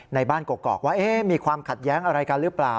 ในบ้านกรกว่ามีความขัดแย้งอะไรกันหรือเปล่า